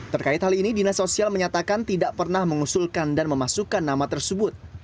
terkait hal ini dinas sosial menyatakan tidak pernah mengusulkan dan memasukkan nama tersebut